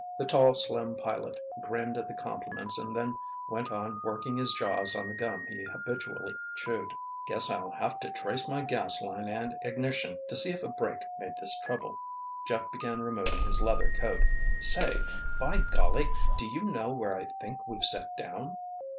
The tall, slim pilot, grinned at the compliments and then went on working his jaws on the gum he habitually chewed. "Guess I'll have to trace my gas line and ignition to see if a break made this trouble." Jeff began removing his leather coat. "Say! By golly! Do you know where I think we've set down?"